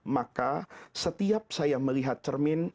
maka setiap saya melihat cermin